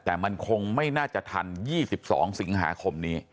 แต่มันคงไม่น่าจะทัน๒๒สิงหาคมนี้